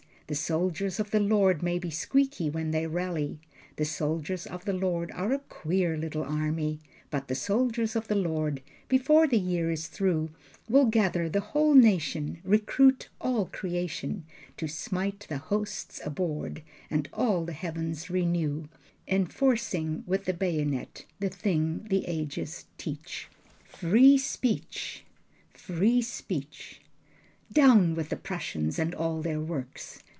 The soldiers of the Lord may be squeaky when they rally, The soldiers of the Lord are a queer little army, But the soldiers of the Lord, before the year is through, Will gather the whole nation, recruit all creation, To smite the hosts abhorred, and all the heavens renew Enforcing with the bayonet the thing the ages teach Free speech! Free speech! Down with the Prussians, and all their works.